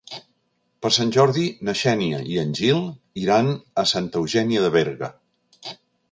Per Sant Jordi na Xènia i en Gil iran a Santa Eugènia de Berga.